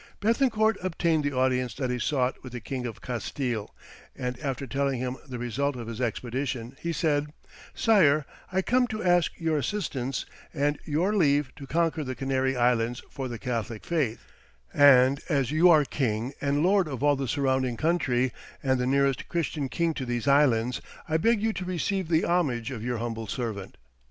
Béthencourt obtained the audience that he sought with the king of Castille, and after telling him the result of his expedition he said, "Sire, I come to ask your assistance and your leave to conquer the Canary Islands for the Catholic faith, and as you are king and lord of all the surrounding country, and the nearest Christian king to these islands, I beg you to receive the homage of your humble servant."